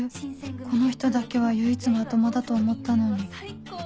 この人だけは唯一まともだと思ったのに